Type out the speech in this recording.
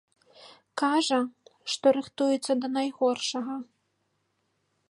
Кажа, што рыхтуецца да найгоршага.